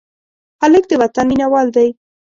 هلک د وطن مینه وال دی.